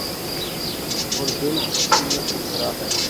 اوردل کینے سے بھراہے۔